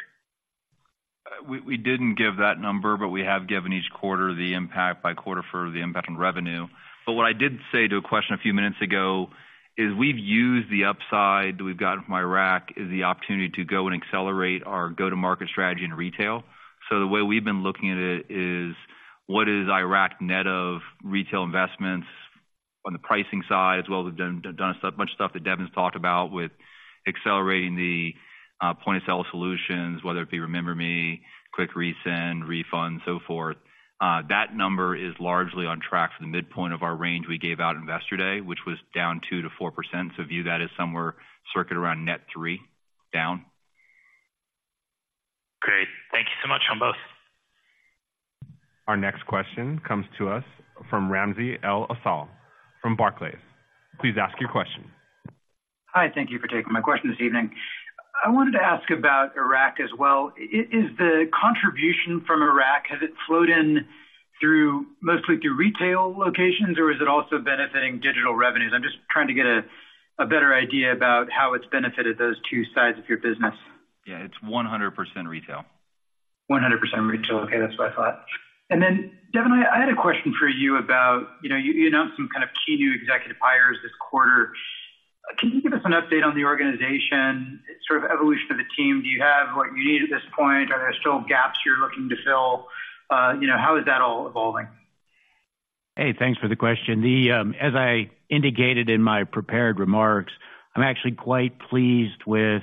We didn't give that number, but we have given each quarter the impact by quarter for the impact on revenue. But what I did say to a question a few minutes ago is, we've used the upside that we've got from Iraq as the opportunity to go and accelerate our go-to-market strategy in retail. So the way we've been looking at it is, what is Iraq net of retail investments on the pricing side, as well as they've done a bunch of stuff that Devin's talked about with accelerating the point-of-sale solutions, whether it be Remember Me, Quick Resend, Refund, so forth. That number is largely on track for the midpoint of our range we gave out Investor Day, which was down 2%-4%, so view that as somewhere circling around net 3%, down.
Great. Thank you so much on both.
Our next question comes to us from Ramsey El-Assal from Barclays. Please ask your question.
Hi, thank you for taking my question this evening. I wanted to ask about Iraq as well. Is the contribution from Iraq, has it flowed in through, mostly through retail locations, or is it also benefiting digital revenues? I'm just trying to get a, a better idea about how it's benefited those two sides of your business.
Yeah, it's 100% retail.
100% retail. Okay, that's what I thought. And then, Devin, I had a question for you about, you know, you announced some kind of key new executive hires this quarter. Can you give us an update on the organization, sort of evolution of the team? Do you have what you need at this point? Are there still gaps you're looking to fill? You know, how is that all evolving?
Hey, thanks for the question. As I indicated in my prepared remarks, I'm actually quite pleased with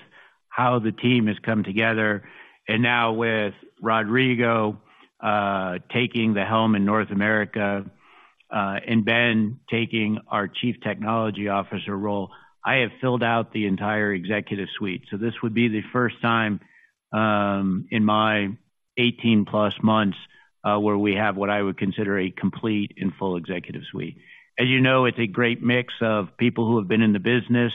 how the team has come together. And now with Rodrigo taking the helm in North America and Ben taking our Chief Technology Officer role, I have filled out the entire executive suite. So this would be the first time in my 18+ months where we have what I would consider a complete and full executive suite. As you know, it's a great mix of people who have been in the business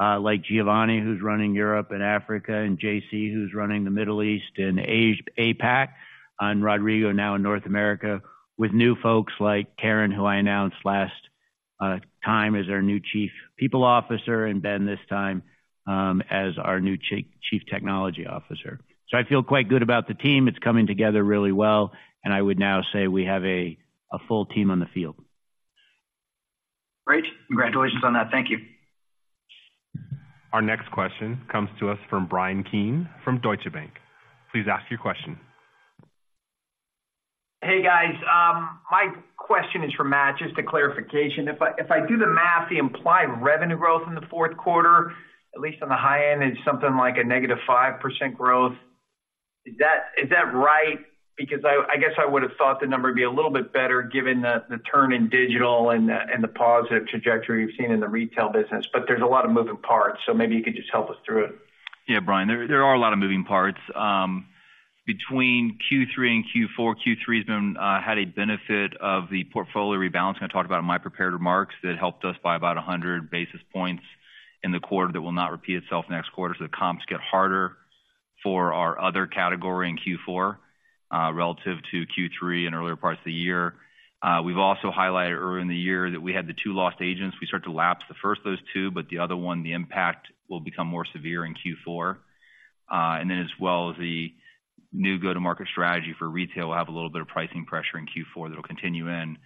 like Giovanni, who's running Europe and Africa, and JC, who's running the Middle East and Asia, APAC, and Rodrigo, now in North America, with new folks like Karen, who I announced last time as our new Chief People Officer, and Ben this time as our new Chief Technology Officer. So I feel quite good about the team. It's coming together really well, and I would now say we have a full team on the field.
Great. Congratulations on that. Thank you.
Our next question comes to us from Bryan Keane from Deutsche Bank. Please ask your question.
Hey, guys. My question is for Matt, just a clarification. If I do the math, the implied revenue growth in the fourth quarter, at least on the high end, is something like -5% growth. Is that right? Because I guess I would have thought the number would be a little bit better given the turn in digital and the positive trajectory we've seen in the retail business, but there's a lot of moving parts, so maybe you could just help us through it.
Yeah, Bryan, there, there are a lot of moving parts. Between Q3 and Q4, Q3 has had a benefit of the portfolio rebalance, and I talked about in my prepared remarks, that helped us by about 100 basis points in the quarter. That will not repeat itself next quarter. So the comps get harder for our other category in Q4, relative to Q3 and earlier parts of the year. We've also highlighted earlier in the year that we had the two lost agents. We start to lapse the first of those two, but the other one, the impact will become more severe in Q4. And then, as well as the new go-to-market strategy for retail, will have a little bit of pricing pressure in Q4 that will continue in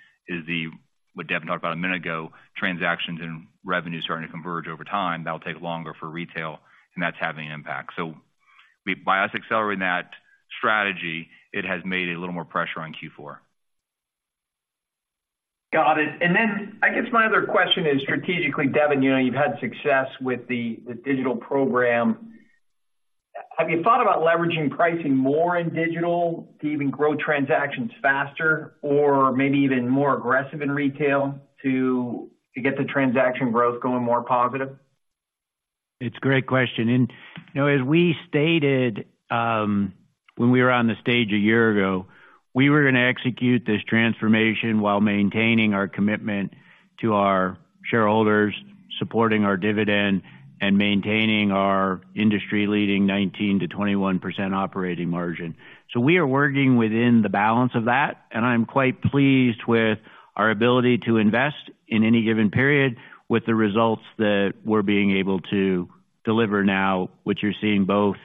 what Devin talked about a minute ago, transactions and revenue starting to converge over time. That will take longer for retail, and that's having an impact. So, by us accelerating that strategy, it has made a little more pressure on Q4.
Got it. And then, I guess my other question is strategically, Devin, you know, you've had success with the digital program. Have you thought about leveraging pricing more in digital to even grow transactions faster or maybe even more aggressive in retail to get the transaction growth going more positive?
It's a great question, and, you know, as we stated, when we were on the stage a year ago, we were going to execute this transformation while maintaining our commitment to our shareholders, supporting our dividend, and maintaining our industry-leading 19%-21% operating margin. So we are working within the balance of that, and I'm quite pleased with our ability to invest in any given period with the results that we're being able to deliver now, which you're seeing both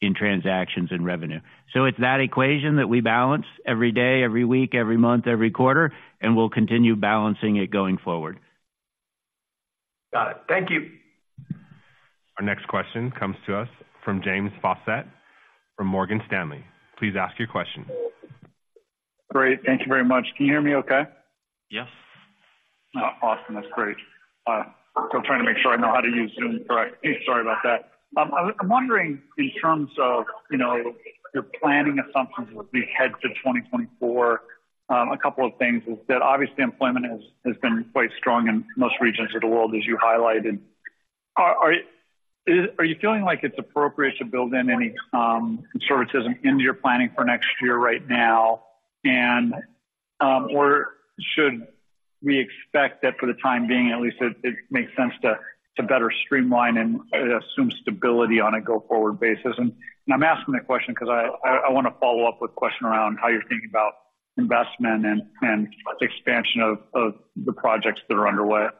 in transactions and revenue. So it's that equation that we balance every day, every week, every month, every quarter, and we'll continue balancing it going forward.
Got it. Thank you.
Our next question comes to us from James Faucette from Morgan Stanley. Please ask your question.
Great. Thank you very much. Can you hear me okay?
Yes.
Awesome. That's great. Still trying to make sure I know how to use Zoom correctly. Sorry about that. I'm wondering, in terms of, you know, your planning assumptions as we head to 2024, a couple of things is that obviously employment has been quite strong in most regions of the world, as you highlighted. Are you feeling like it's appropriate to build in any conservatism into your planning for next year right now? And, or should we expect that for the time being at least, it makes sense to better streamline and assume stability on a go-forward basis? And I'm asking that question because I want to follow up with a question around how you're thinking about investment and expansion of the projects that are underway.
Yeah.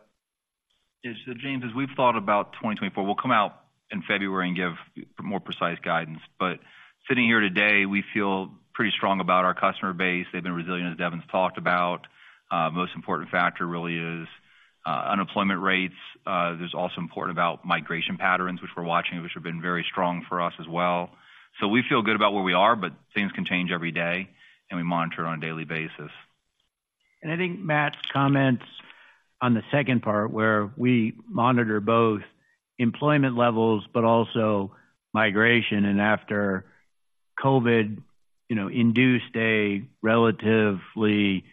So, James, as we've thought about 2024, we'll come out in February and give more precise guidance. But sitting here today, we feel pretty strong about our customer base. They've been resilient, as Devin's talked about. Most important factor really is unemployment rates. There's also important about migration patterns, which we're watching, which have been very strong for us as well. So we feel good about where we are, but things can change every day, and we monitor on a daily basis.
And I think Matt's comments on the second part, where we monitor both employment levels, but also migration, and after COVID, you know, induced a relatively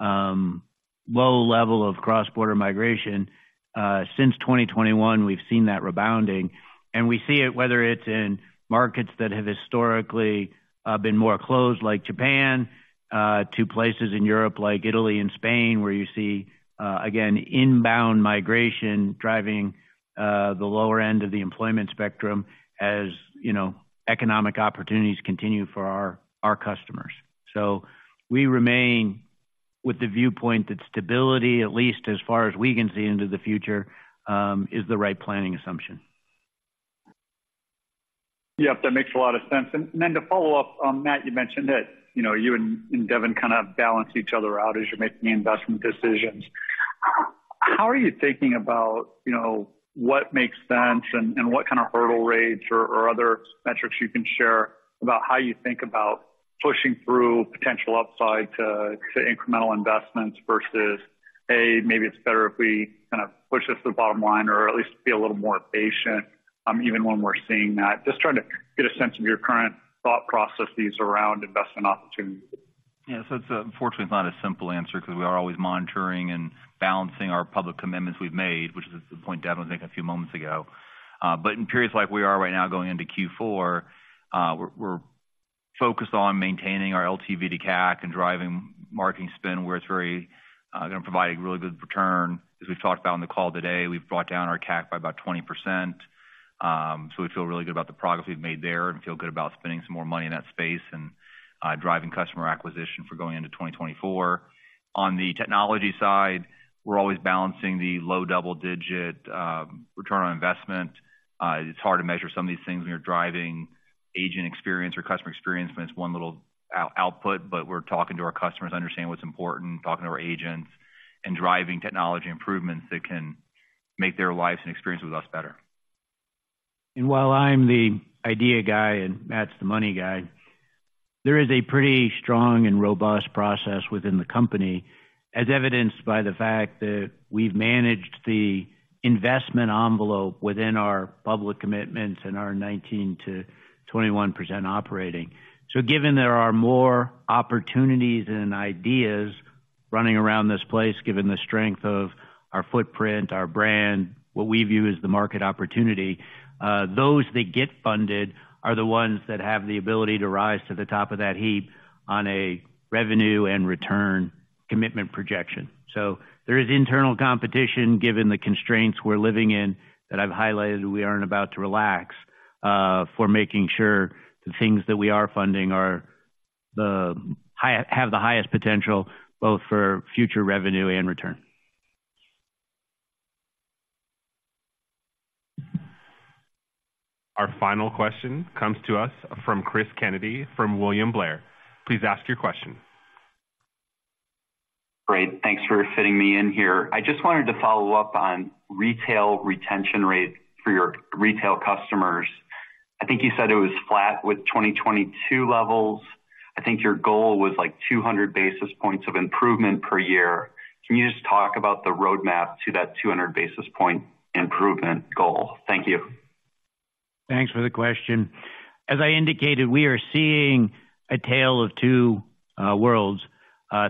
low level of cross-border migration. Since 2021, we've seen that rebounding, and we see it, whether it's in markets that have historically been more closed, like Japan, to places in Europe, like Italy and Spain, where you see, again, inbound migration driving the lower end of the employment spectrum as, you know, economic opportunities continue for our customers. So we remain with the viewpoint that stability, at least as far as we can see into the future, is the right planning assumption.
Yep, that makes a lot of sense. And then to follow up on Matt, you mentioned that, you know, you and, and Devin kind of balance each other out as you're making investment decisions. How are you thinking about, you know, what makes sense and, and what kind of hurdle rates or, or other metrics you can share about how you think about pushing through potential upside to, to incremental investments versus, hey, maybe it's better if we kind of push this to the bottom line or at least be a little more patient, even when we're seeing that? Just trying to get a sense of your current thought processes around investment opportunities.
Yeah, so it's unfortunately it's not a simple answer because we are always monitoring and balancing our public commitments we've made, which is the point Devin was making a few moments ago. But in periods like we are right now, going into Q4, we're focused on maintaining our LTV to CAC and driving marketing spend where it's very gonna provide a really good return. As we've talked about on the call today, we've brought down our CAC by about 20%. So we feel really good about the progress we've made there and feel good about spending some more money in that space and driving customer acquisition for going into 2024. On the technology side, we're always balancing the low double-digit return on investment. It's hard to measure some of these things when you're driving agent experience or customer experience when it's one little output, but we're talking to our customers to understand what's important, talking to our agents, and driving technology improvements that can make their lives and experience with us better.
While I'm the idea guy, and Matt's the money guy, there is a pretty strong and robust process within the company, as evidenced by the fact that we've managed the investment envelope within our public commitments and our 19%-21% operating. So given there are more opportunities and ideas running around this place, given the strength of our footprint, our brand, what we view as the market opportunity, those that get funded are the ones that have the ability to rise to the top of that heap on a revenue and return commitment projection. So there is internal competition, given the constraints we're living in, that I've highlighted we aren't about to relax for making sure the things that we are funding have the highest potential, both for future revenue and return.
Our final question comes to us from Chris Kennedy, from William Blair. Please ask your question.
Great. Thanks for fitting me in here. I just wanted to follow up on retail retention rate for your retail customers. I think you said it was flat with 2022 levels. I think your goal was, like, 200 basis points of improvement per year. Can you just talk about the roadmap to that 200 basis point improvement goal? Thank you.
Thanks for the question. As I indicated, we are seeing a tale of two worlds.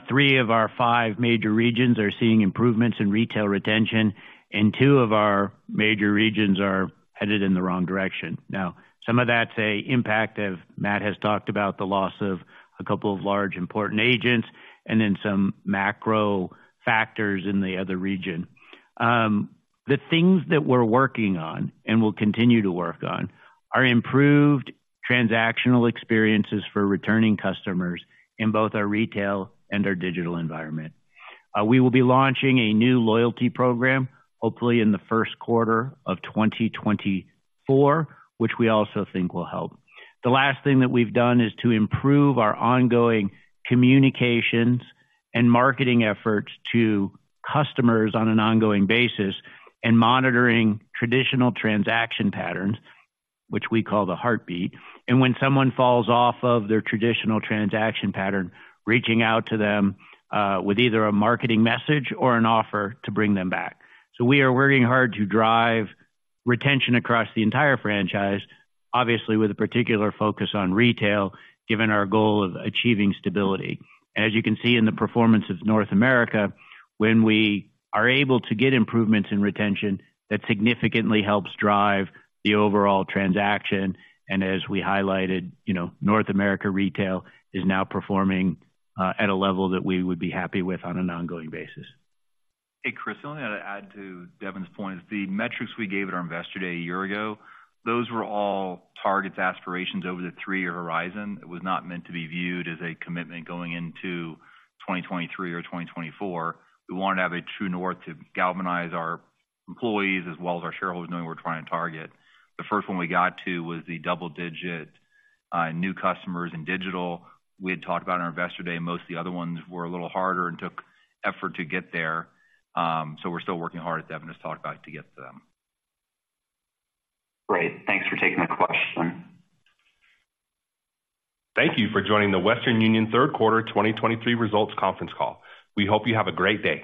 Three of our five major regions are seeing improvements in retail retention, and two of our major regions are headed in the wrong direction. Now, some of that's a impact of, Matt has talked about the loss of a couple of large, important agents and then some macro factors in the other region. The things that we're working on, and will continue to work on, are improved transactional experiences for returning customers in both our retail and our digital environment. We will be launching a new loyalty program, hopefully in the first quarter of 2024, which we also think will help. The last thing that we've done is to improve our ongoing communications and marketing efforts to customers on an ongoing basis, and monitoring traditional transaction patterns, which we call the heartbeat. When someone falls off of their traditional transaction pattern, reaching out to them with either a marketing message or an offer to bring them back. We are working hard to drive retention across the entire franchise, obviously, with a particular focus on retail, given our goal of achieving stability. As you can see in the performance of North America, when we are able to get improvements in retention, that significantly helps drive the overall transaction. As we highlighted, you know, North America retail is now performing at a level that we would be happy with on an ongoing basis.
Hey, Chris, I only had to add to Devin's point, is the metrics we gave at our Investor Day a year ago, those were all targets, aspirations over the three-year horizon. It was not meant to be viewed as a commitment going into 2023 or 2024. We wanted to have a true north to galvanize our employees, as well as our shareholders, knowing we're trying to target. The first one we got to was the double-digit new customers in digital. We had talked about on our Investor Day, most of the other ones were a little harder and took effort to get there. So we're still working hard, as Devin has talked about, to get to them.
Great. Thanks for taking the question.
Thank you for joining the Western Union Third Quarter 2023 Results Conference Call. We hope you have a great day.